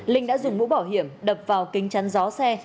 linh đã dùng mũ bảo hiểm đập vào kính chắn gió xe